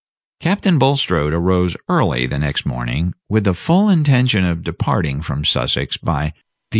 Captain Bulstrode arose early the next morning, with the full intention of departing from Sussex by the 8.